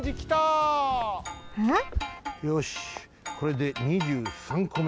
よしこれで２３こめ。